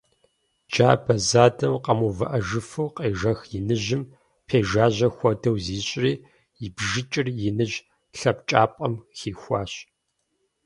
Джабэ задэм къэмыувыӀэжыфу къежэх иныжьым пежажьэ хуэдэу зищӀри, и бжыкӀыр иныжь лъэнкӀапӀэм хихуащ.